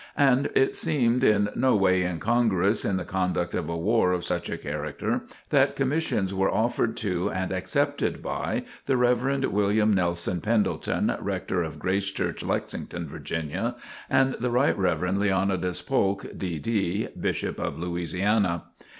And it seemed in no way incongruous in the conduct of a war of such a character, that commissions were offered to and accepted by the Rev. William Nelson Pendleton, Rector of Grace Church, Lexington, Virginia, and the Rt. Rev. Leonidas Polk, D. D., Bishop of Louisiana.